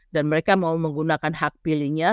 dan mereka mau menggunakan hak pilihnya